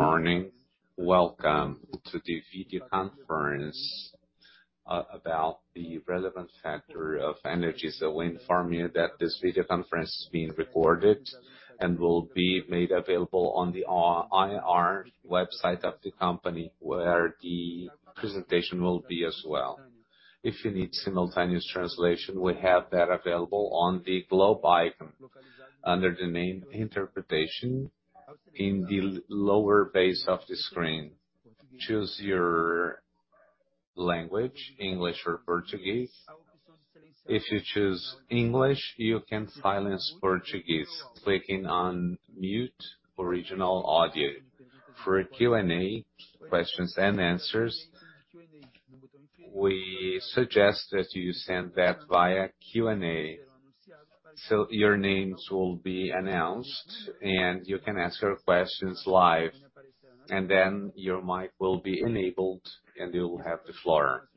Good morning. Welcome to the video conference about the relevant factor of Energisa. I will inform you that this video conference is being recorded and will be made available on the IR website of the company, where the presentation will be as well. If you need simultaneous translation, we have that available on the globe icon under the name Interpretation in the lower bar of the screen. Choose your language, English or Portuguese. If you choose English, you can silence Portuguese clicking on Mute Original Audio. For Q&A, questions and answers, we suggest that you send that via Q&A, so your names will be announced, and you can ask your questions live, and then your mic will be enabled, and you will have the floor.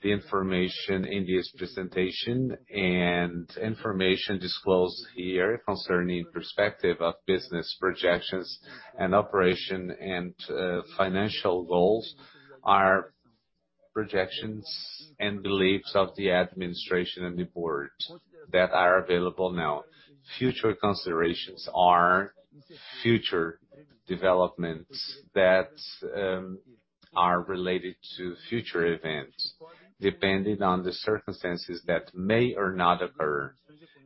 The information in this presentation and information disclosed here concerning prospects of business projections and operations and financial goals are projections and beliefs of the administration and the board that are available now. Future considerations are future developments that are related to future events, depending on the circumstances that may or not occur.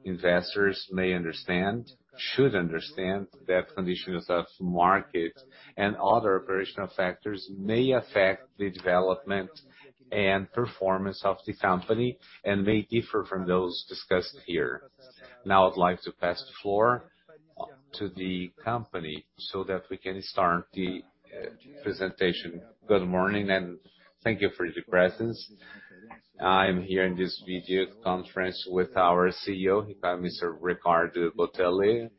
Investors may understand, should understand, that conditions of market and other operational factors may affect the development and performance of the company and may differ from those discussed here. Now, I'd like to pass the floor to the company so that we can start the presentation. Good morning, and thank you for your presence. I'm here in this video conference with our CEO. We've got Mr. Ricardo Botelho,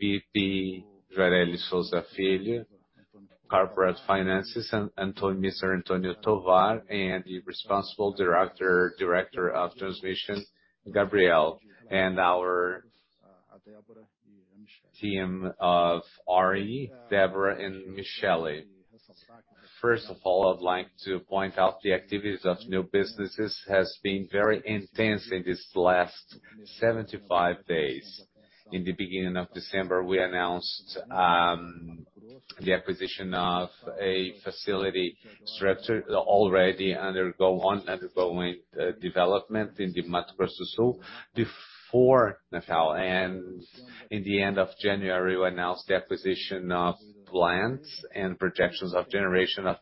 VP Gioreli de Sousa Filho, Corporate Finance, and Mr. Antonio Tovar. Antonio Tovar, and the responsible director of transmission, Gabriel, and our team of Ari, Deborah, and Michelle. First of all, I'd like to point out the activities of new businesses has been very intense in this last 75 days. In the beginning of December, we announced the acquisition of a facility structure already undergoing development in the Mato Grosso do Sul before Christmas. In the end of January, we announced the acquisition of plants and projects in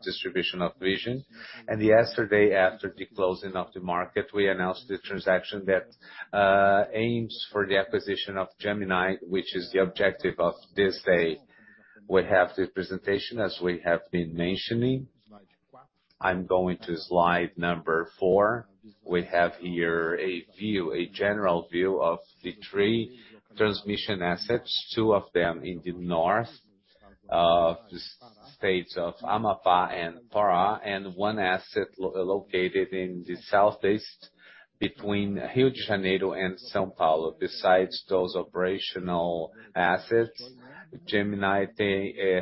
distributed generation. Yesterday, after the closing of the market, we announced the transaction that aims for the acquisition of Gemini, which is the objective of this day. We have the presentation as we have been mentioning. I'm going to slide number four. We have here a view, a general view of the three transmission assets, two of them in the North of the states of Amapá and Pará, and one asset located in the Southeast between Rio de Janeiro and São Paulo. Besides those operational assets, Gemini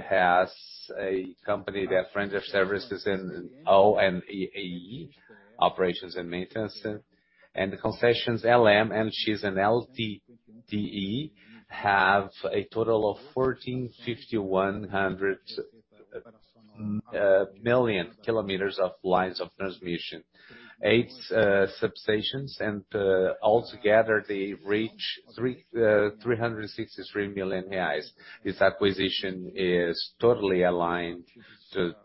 has a company that renders services in O&M, i.e., operations and maintenance, and the concessions LMTE, which is an LTTE, have a total of 1,451 kilometers of lines of transmission, eight substations, and altogether they reach 363 million reais. This acquisition is totally aligned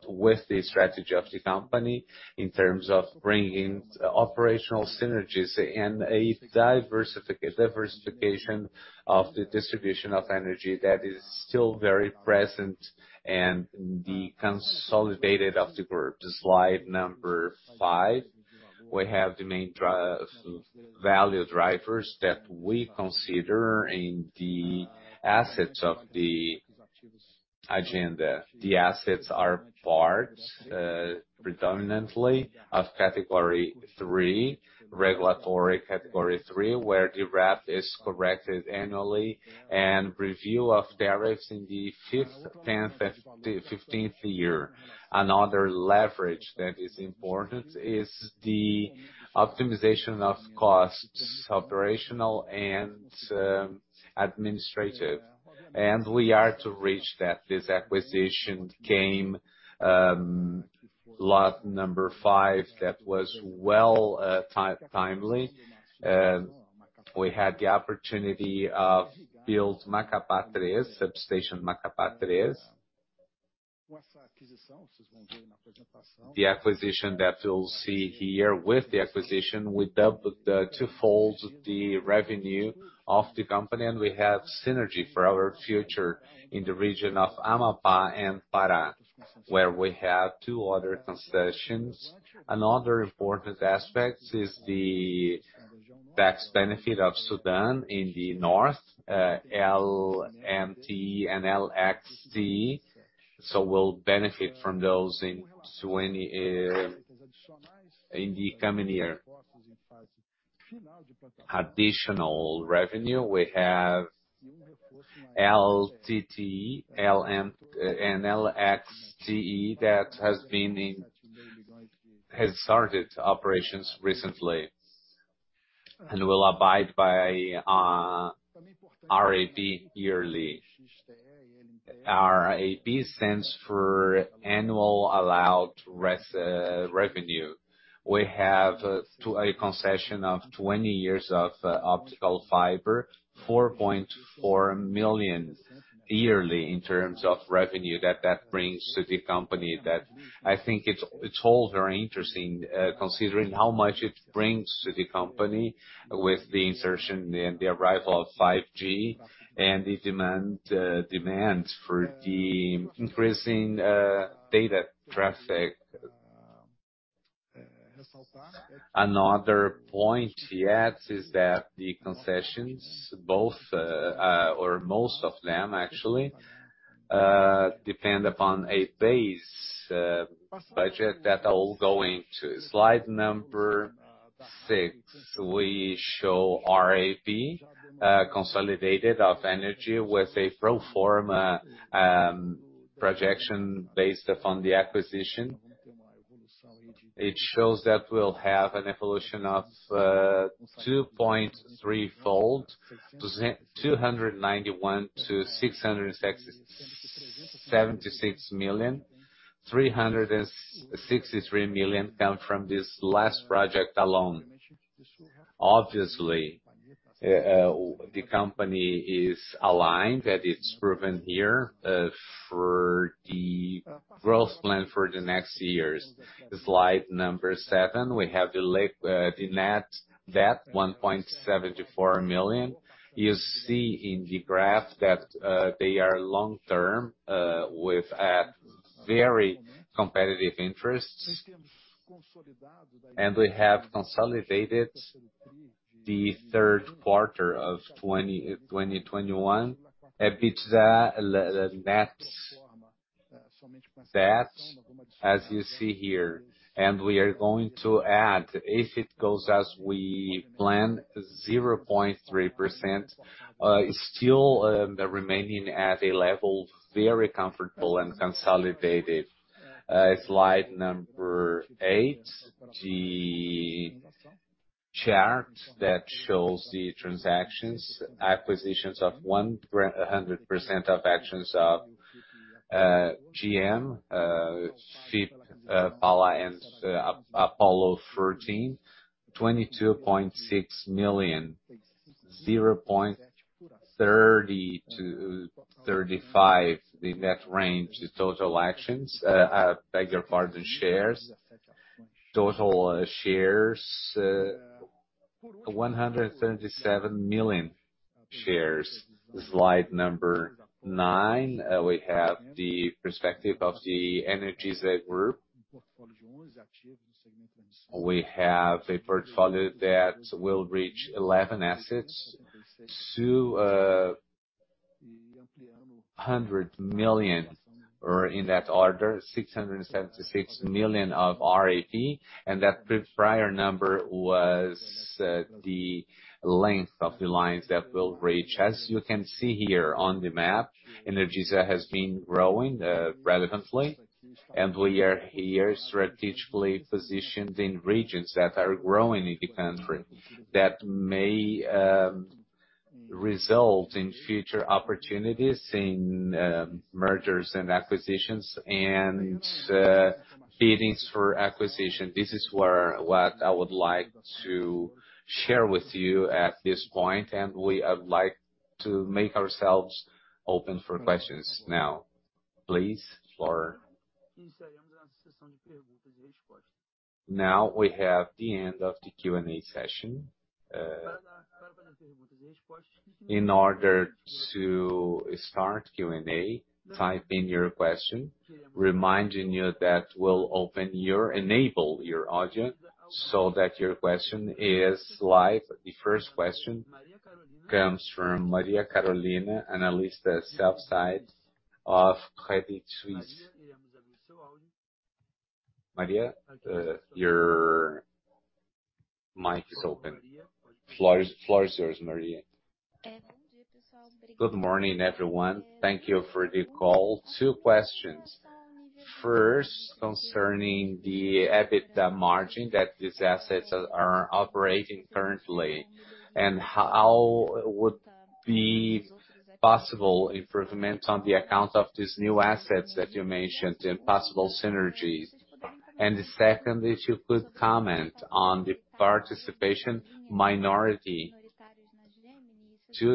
with the strategy of the company in terms of bringing operational synergies and a diversification of the distribution of energy that is still very present in the consolidated of the group. To slide number five. We have the main value drivers that we consider in the assets of the agenda. The assets are part predominantly of category three, regulatory category three, where the RAP is corrected annually and review of tariffs in the fifth, tenth, fifteenth year. Another leverage that is important is the optimization of costs, operational and administrative. We are to reach that. This acquisition came lot number five that was well timely. We had the opportunity to build Macapá Três, substation Macapá Três. The acquisition that you'll see here with the acquisition, we doubled the revenue twofold, and we have synergy for our future in the region of Amapá and Pará, where we have two other concessions. Another important aspect is the tax benefit of SUDAM in the North, LMTE and LXTE. We'll benefit from those in 20, in the coming year. Additional revenue. We have LTTE, LMTE, and LXTE that has started operations recently, and will abide by RAP yearly. RAP stands for Annual Allowed Revenue. We have a concession of 20 years of optical fiber, 4.4 million yearly in terms of revenue that brings to the company that I think it's all very interesting, considering how much it brings to the company with the insertion and the arrival of 5G and the demand for the increasing data traffic. Another point he adds is that the concessions, both or most of them actually, depend upon a base budget that all go into. Slide number six, we show RAP consolidated of energy with a pro forma projection based upon the acquisition. It shows that we'll have an evolution of 2.3-fold, 291 to 667.6 million. 363 million come from this last project alone. Obviously, the company is aligned, that it's proven here, for the growth plan for the next years. Slide number seven, we have the net debt, 1.74 million. You see in the graph that they are long-term with very competitive interests. We have consolidated the third quarter of 2021 EBITDA net debt, as you see here. We are going to add, if it goes as we plan, 0.3%, still remaining at a level very comfortable and consolidated. Slide number eight, the chart that shows the transactions, acquisitions of 100% of shares of Gemini FIP Perfin and Apollo 14, BRL 22.6 million, 0.30-0.35 the net range, the total shares. I beg your pardon, shares. Total shares 177 million shares. Slide number nine, we have the perspective of the Energisa group. We have a portfolio that will reach 11 assets to 100 million or in that order, 676 million of RAP. That prior number was the length of the lines that we'll reach. As you can see here on the map, Energisa has been growing relevantly. We are here strategically positioned in regions that are growing in the country that may result in future opportunities in mergers and acquisitions and biddings for acquisition. What I would like to share with you at this point, and we would like to make ourselves open for questions now. Please, floor. Now we have the start of the Q&A session. In order to start Q&A, type in your question, reminding you that we'll enable your audio so that your question is live. The first question comes from Maria Carolina, analyst at sell-side of Credit Suisse. Maria, your mic is open. Floor is yours, Maria. Good morning, everyone. Thank you for the call. Two questions. First, concerning the EBITDA margin that these assets are operating currently, and how would be possible improvement on the account of these new assets that you mentioned and possible synergies? Secondly, if you could comment on the minority participation. Two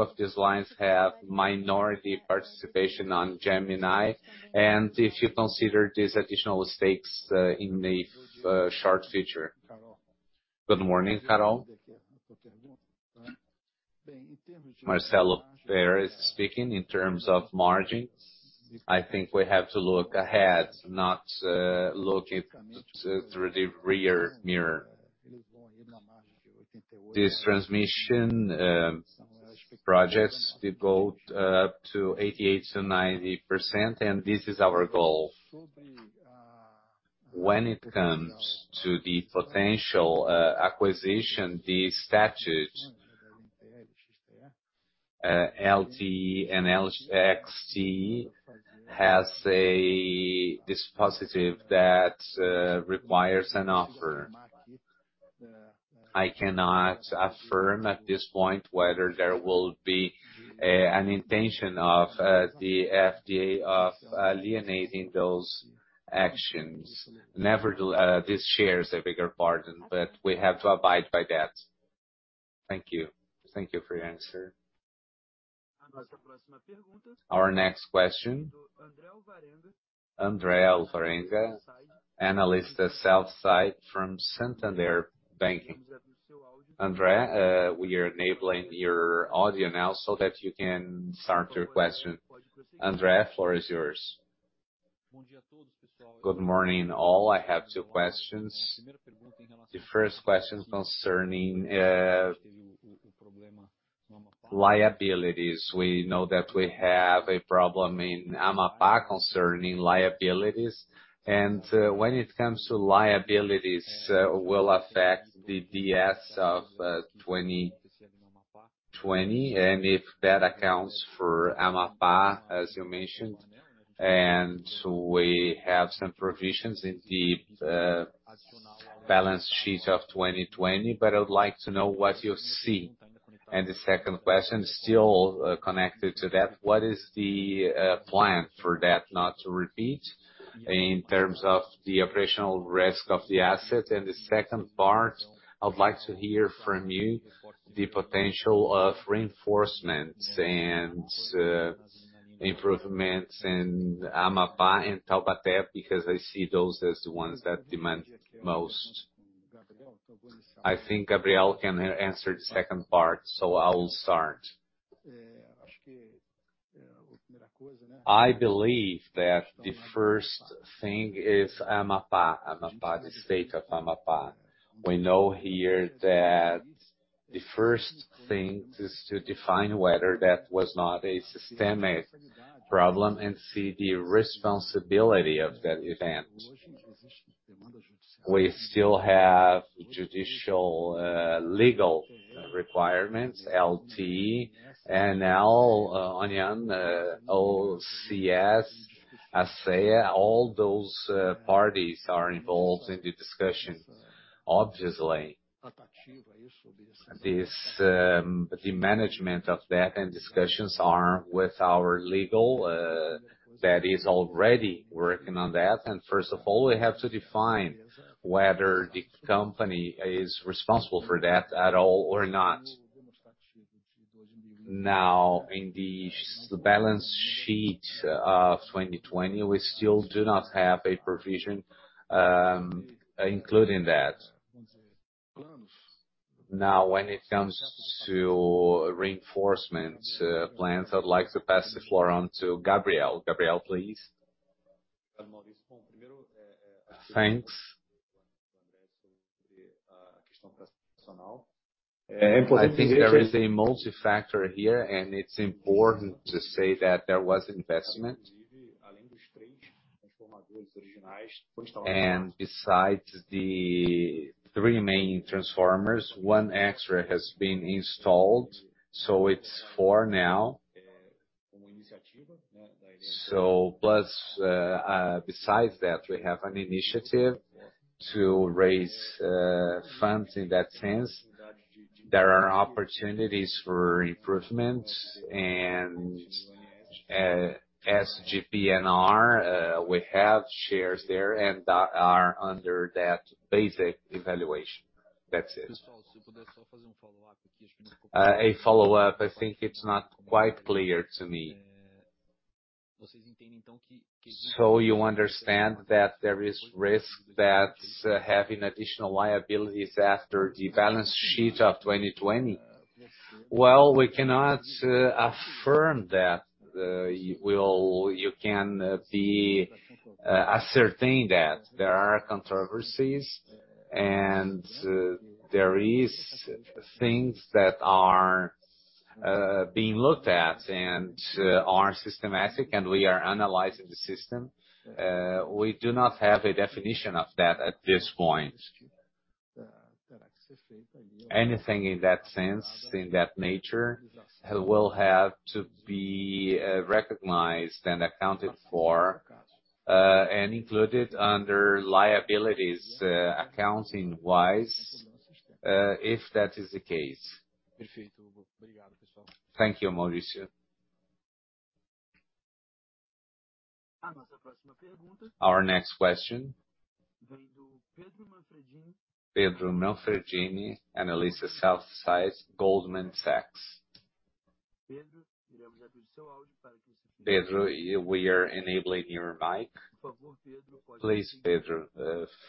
of these lines have minority participation in Gemini. And if you consider these additional stakes in the short future. Good morning, Carol. Marcelo Fera speaking. In terms of margins, I think we have to look ahead, not look back through the rearview mirror. This transmission projects operate to 88% to 90%, and this is our goal. When it comes to the potential acquisition, the statute LTTE and LXTE has this positive that requires an offer. I cannot affirm at this point whether there will be an intention of the FIP of alienating those assets. Nevertheless, these shares are a bigger part, but we have to abide by that. Thank you. Thank you for your answer. Our next question, André Alvarenga, Sell-Side Analyst at Santander. André, we are enabling your audio now so that you can start your question. André, floor is yours. Good morning, all. I have two questions. The first question is concerning liabilities. We know that we have a problem in Amapá concerning liabilities. When it comes to liabilities, it will affect the DS of 2020, and if that accounts for Amapá, as you mentioned. We have some provisions in the balance sheet of 2020, but I would like to know what you see. The second question, still, connected to that, what is the plan for that not to repeat in terms of the operational risk of the asset? The second part, I'd like to hear from you the potential of reinforcements and improvements in Amapá and Taubaté, because I see those as the ones that demand most. I think Gabriel can answer the second part, so I'll start. I believe that the first thing is Amapá. Amapá, the state of Amapá. We know here that the first thing is to define whether that was not a systemic problem and see the responsibility of that event. We still have judicial, legal requirements, LT, NL, ONS, OCS, ASEA, all those parties are involved in the discussion. Obviously, this, the management of that and discussions are with our legal, that is already working on that. First of all, we have to define whether the company is responsible for that at all or not. Now, in the consolidated balance sheet of 2020, we still do not have a provision, including that. Now, when it comes to reinforcement plans, I'd like to pass the floor on to Gabriel. Gabriel, please. Thanks. I think there is a multi-factor here, and it's important to say that there was investment. Besides the three main transformers, one extra has been installed, so it's four now. Besides that, we have an initiative to raise funds in that sense. There are opportunities for improvement and, as GP and R, we have shares there and are under that basic evaluation. That's it. A follow-up. I think it's not quite clear to me. You understand that there is risk that having additional liabilities after the balance sheet of 2020? We cannot affirm that you can ascertain that. There are controversies and there is things that are being looked at and are systematic, and we are analyzing the system. We do not have a definition of that at this point. Anything in that sense, in that nature, will have to be recognized and accounted for and included under liabilities, accounting-wise, if that is the case. Thank you, Maurício. Our next question. Pedro Manfredini, Sell-Side Analyst, Goldman Sachs. Pedro, we are enabling your mic. Please, Pedro,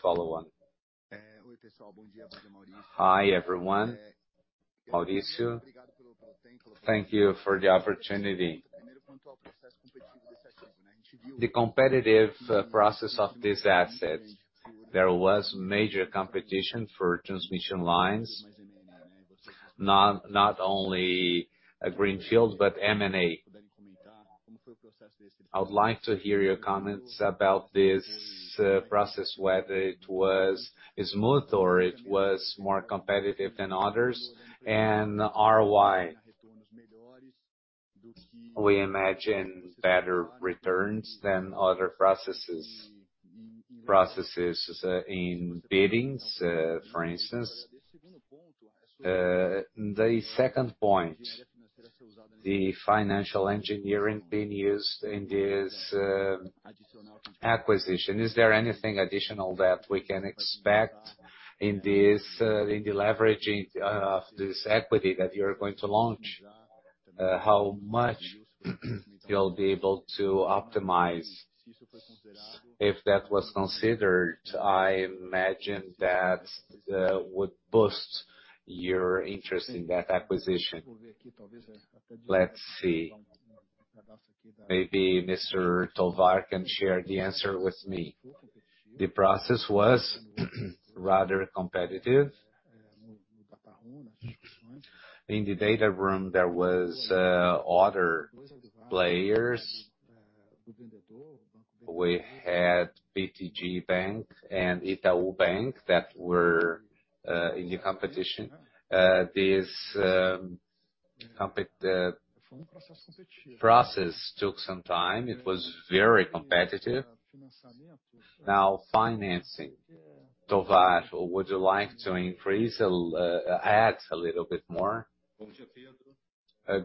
follow on. Hi, everyone. Maurício, thank you for the opportunity. The competitive process of this asset, there was major competition for transmission lines. Not only a greenfield, but M&A. I would like to hear your comments about this process, whether it was smooth or it was more competitive than others. ROI. We imagine better returns than other processes, in biddings, for instance. The second point, the financial engineering being used in this acquisition. Is there anything additional that we can expect in this, in the leveraging of this equity that you're going to launch? How much you'll be able to optimize? If that was considered, I imagine that would boost your interest in that acquisition. Let's see. Maybe Mr. Tovar can share the answer with me. The process was rather competitive. In the data room, there was other players. We had BTG Pactual and Itaú bank that were in the competition. This process took some time. It was very competitive. Now, financing. Tovar, would you like to add a little bit more?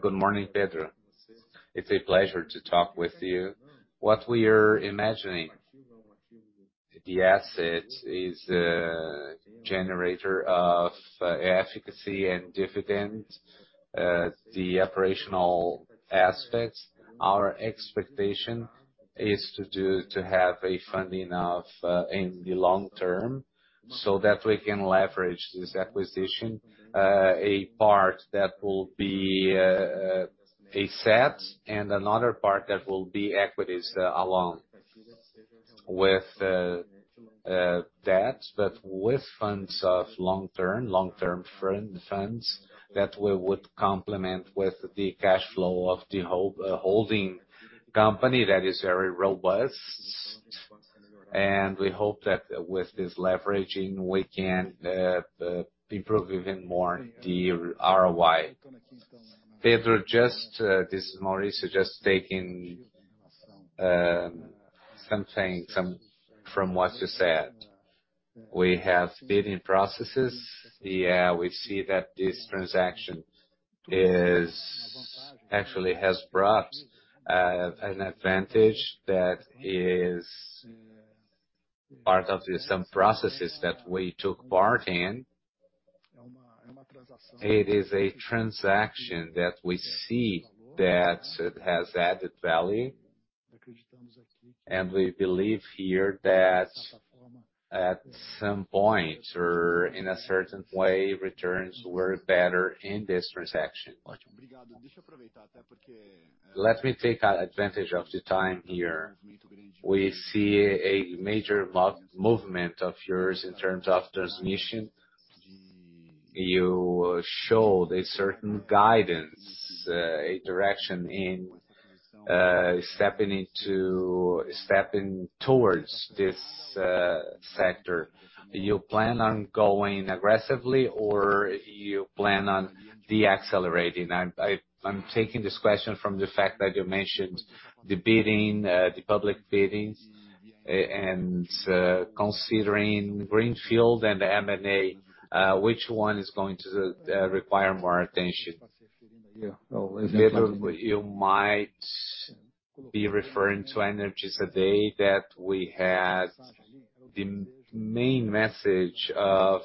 Good morning, Pedro. It's a pleasure to talk with you. What we are imagining, the asset is a generator of efficacy and dividend. The operational aspects, our expectation is to have a funding of, in the long term, so that we can leverage this acquisition. A part that will be a set and another part that will be equities, along with that, but with funds of long-term funds that we would complement with the cash flow of the holding company that is very robust. We hope that with this leveraging, we can improve even more the ROI. Pedro, just, this is Maurício. Just taking something from what you said. We have bidding processes. Yeah, we see that this transaction actually has brought an advantage that is part of the same processes that we took part in. It is a transaction that we see that it has added value. We believe here that at some point or in a certain way, returns were better in this transaction. Let me take advantage of the time here. We see a major movement of yours in terms of transmission. You showed a certain guidance, a direction in stepping towards this sector. You plan on going aggressively, or you plan on decelerating? I'm taking this question from the fact that you mentioned the bidding, the public biddings, and considering greenfield and the M&A, which one is going to require more attention? Pedro, you might be referring to Energisa day that we had the main message of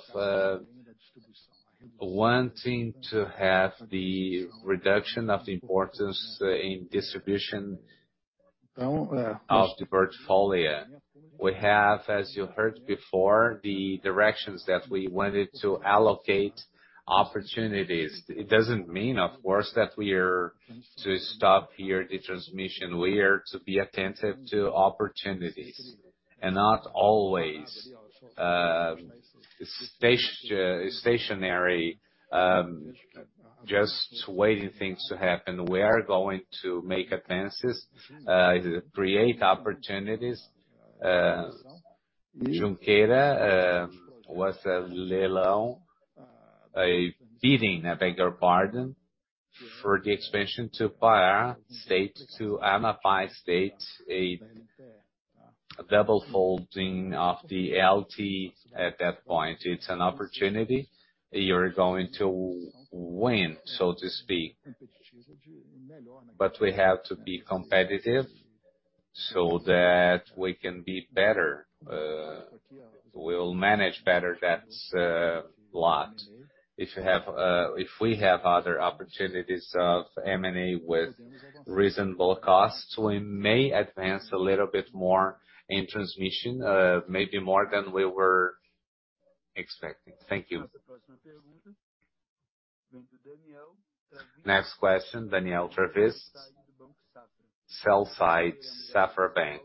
wanting to have the reduction of the importance in distribution of the portfolio. We have, as you heard before, the directions that we wanted to allocate opportunities. It doesn't mean, of course, that we're to stop here the transmission. We are to be attentive to opportunities and not always stationary just waiting things to happen. We are going to make advances, create opportunities. Junqueira was a leilão, a bidding, I beg your pardon, for the expansion to Pará state, to Amapá state, a doubling of the LT at that point. It's an opportunity you're going to win, so to speak. We have to be competitive so that we can be better. We'll manage better that lot. If we have other opportunities of M&A with reasonable costs, we may advance a little bit more in transmission, maybe more than we were expecting. Thank you. Next question, Daniel Travis, sell-side, Safra Bank.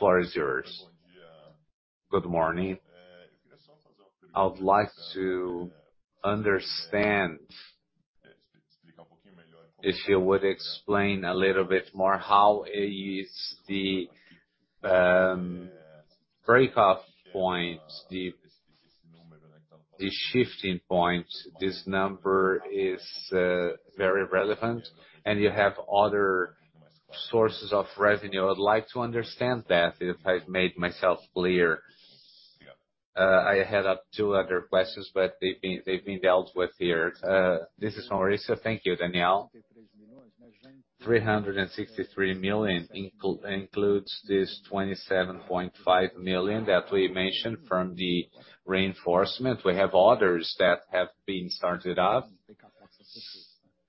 Daniel, we are enabling your mic so that we can hear yours. Good morning. I would like to understand, if you would explain a little bit more how is the breakeven point, the shifting point. This number is very relevant, and you have other sources of revenue. I'd like to understand that, if I've made myself clear. I had two other questions, but they've been dealt with here. This is Maurício. Thank you, Daniel. 363 million includes this 27.5 million that we mentioned from the reinforcement. We have others that have been started up,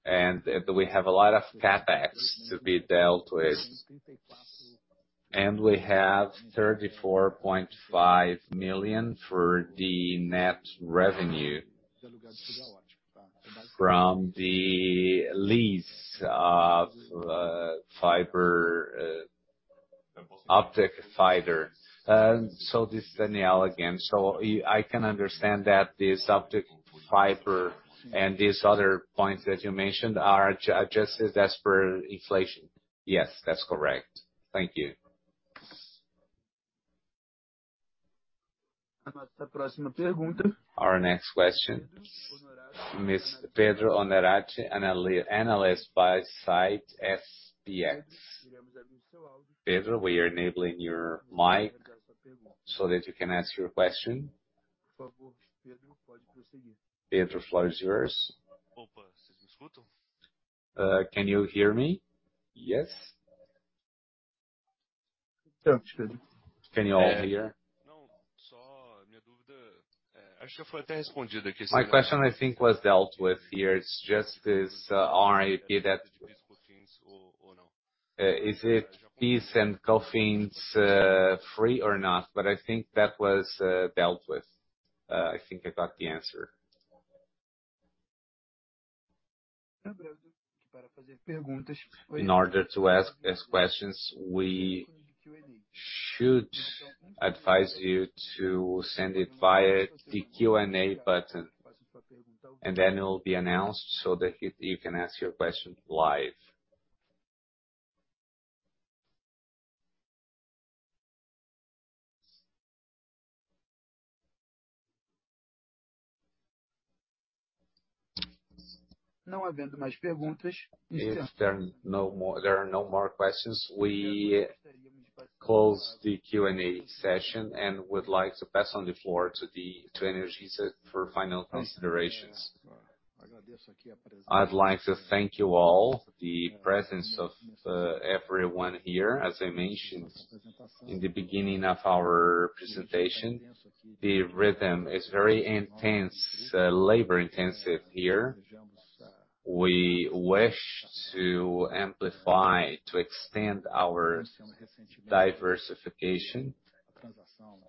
and we have a lot of CapEx to be dealt with. We have 34.5 million for the net revenue from the lease of fiber optic fiber. This is Daniel again. I can understand that this optic fiber and these other points that you mentioned are just as per inflation. Yes, that's correct. Thank you. Our next question from Pedro Honorato, sell-side analyst, SPX. Pedro, we are enabling your mic so that you can ask your question. Pedro, floor is yours. Can you hear me? Yes. Can you all hear? My question, I think, was dealt with here. It's just this RAP that is it based on concessions free or not? I think that was dealt with. I think I got the answer. In order to ask questions, we should advise you to send it via the Q&A button, and then it will be announced so that you can ask your question live. If there are no more questions, we close the Q&A session and would like to pass on the floor to Energisa for final considerations. I'd like to thank you all for the presence of everyone here. As I mentioned in the beginning of our presentation, the rhythm is very intense, labor-intensive here. We wish to amplify, to extend our diversification,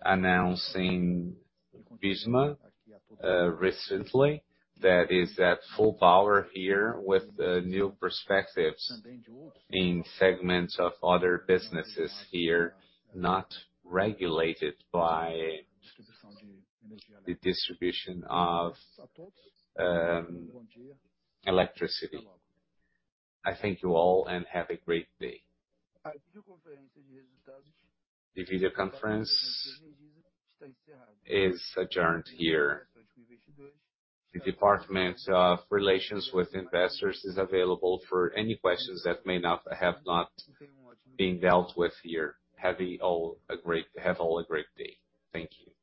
announcing Visma recently, that is at full power here with new perspectives in segments of other businesses here, not regulated by the distribution of electricity. I thank you all and have a great day. The video conference is adjourned here. The Department of Relations with Investors is available for any questions that have not been dealt with here. Have all a great day. Thank you.